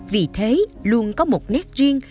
vì thế luôn có một nét riêng